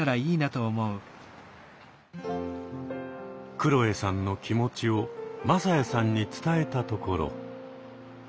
くろえさんの気持ちを匡哉さんに伝えたところ。